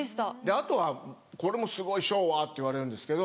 あとはこれもすごい昭和って言われるんですけど